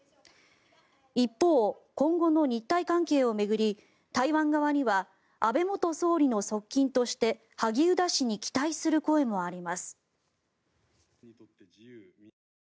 一方、今後の日台関係を巡り台湾側には安倍元総理の側近として萩生田氏に期待する声もあります。